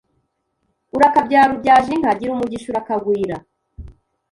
urakabyara ubyaje inka, gira umugisha, urakagwira,